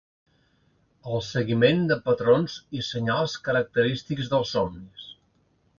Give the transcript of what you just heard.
el seguiment de patrons i senyals característics dels somnis